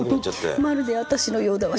まるで私のようだわ。